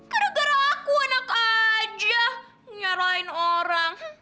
gara gara aku anak aja nyerahin orang